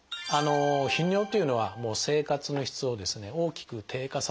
頻尿というのは生活の質をですね大きく低下させる症状ですね。